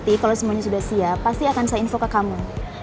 jadi kalo semuanya sudah siap pasti akan saya info ke kamu